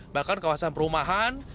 bahkan kawasan perumahan